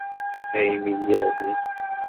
Daymi lliɣ din.